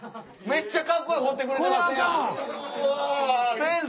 めっちゃカッコよう彫ってくれてますやん！